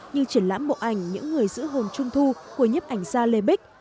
như triển lãm bộ ảnh những người giữ hồn trung thu của nhiếp ảnh gia lê bích